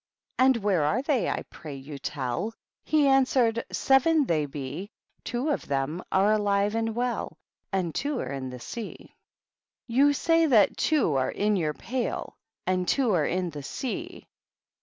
^ And where are they, I pray you tell f He answered, 'Seven they he; Two of them are alive and well, And two are in the sea.^ THE BIBHOFB. ' You say that two are in your pail. And two are in the sea.